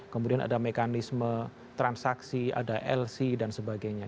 kemudian ada mekanisme transaksi ada lc dan sebagainya